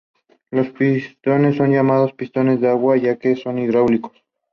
Initially he worked as an independent scholar.